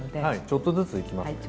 ちょっとずついきますね。